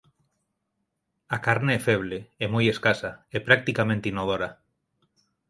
A carne é feble e moi escasa e practicamente inodora.